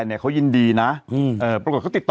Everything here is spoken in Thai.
ซึ่งก็เห็นดีนะปรากฎเขาติดต่อ